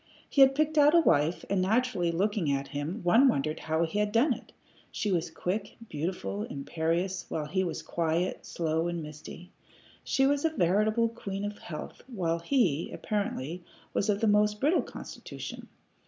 He had picked out a wife, and naturally, looking at him, one wondered how he had done it. She was quick, beautiful, imperious, while he was quiet, slow, and misty. She was a veritable queen of health, while he, apparently, was of a most brittle constitution.